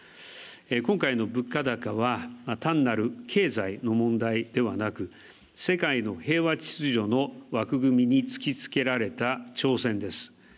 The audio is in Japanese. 今回の物価高は単なる経済の問題ではなく世界の平和秩序の枠組みにつきつけられた挑戦です。